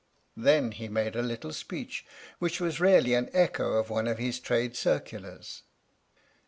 Then he made a little speech, which was really an echo of one of his trade circulars.